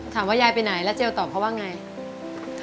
ถามว่ายายไปไหนแล้วเจลตอบเขาว่าอย่างไร